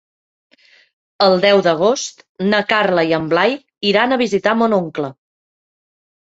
El deu d'agost na Carla i en Blai iran a visitar mon oncle.